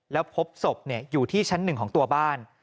แล้วพบศพอยู่ที่ชั้น๑ของตัวบ้าน